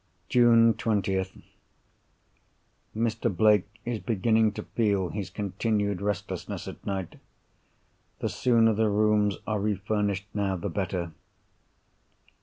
June 20th.—Mr. Blake is beginning to feel his continued restlessness at night. The sooner the rooms are refurnished, now, the better.